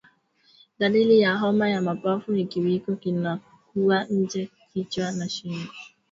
Dalili ya homa ya mapafu ni kiwiko kinakuwa nje kichwa na shingo vikiwa vimenyooshwa